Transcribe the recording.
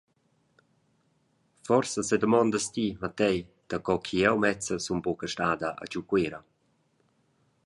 Forsa sedamondas ti matei daco ch’jeu mezza sun buca stada giu Cuera.